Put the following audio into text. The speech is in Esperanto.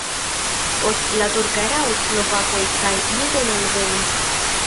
Post la turka erao slovakoj kaj judoj alvenis.